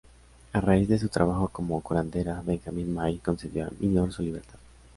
A raíz de su trabajo como curandera, Benjamin May concedió a Minor su libertad.